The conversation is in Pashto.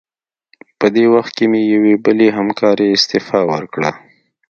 په دې وخت کې مې یوې بلې همکارې استعفا ورکړه.